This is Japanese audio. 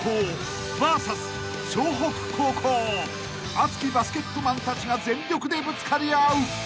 ［熱きバスケットマンたちが全力でぶつかり合う］